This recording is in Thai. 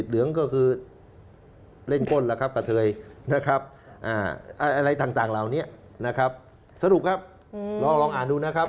สรุปครับลองอ่านดูนะครับ